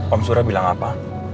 om surah bilang apa